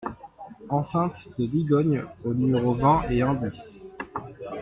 Enceinte de Digogne au numéro vingt et un dix